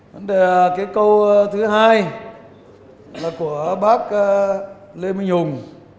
vấn đề cái câu thứ hai là của bác lê minh hùng